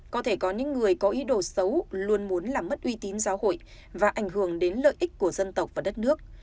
có thể có những người có ý đồ xấu luôn muốn làm mất uy tín giáo hội và ảnh hưởng đến lợi ích của dân tộc và đất nước